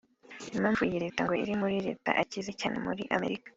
Impamvu iyi Leta ngo iri mu ma leta akize cyane muri Amerika